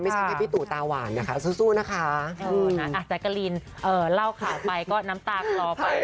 ไม่ใช่แค่พี่ตุ๋ตาหวานนะคะสู้สู้นะคะเออนะอาจจะกะลินเอ่อเล่าข่าวไปก็น้ำตากลอไป